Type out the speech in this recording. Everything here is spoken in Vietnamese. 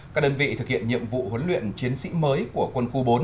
các đơn vị thực hiện nhiệm vụ huấn luyện chiến sĩ mới của quân khu bốn